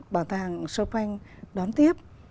bảo tàng chopin đón tiếp